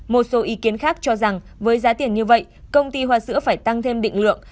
một số ý kiến khác cho rằng với giá tiền như vậy công ty hoa sữa phải tăng thêm định lượng